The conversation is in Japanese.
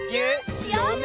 しようね！